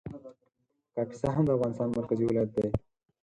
کاپیسا هم د افغانستان مرکزي ولایت دی